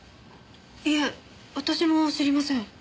いえ私も知りません。